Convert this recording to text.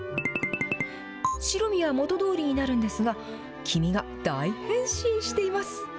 白身は元どおりになるんですが、黄身が大変身しています。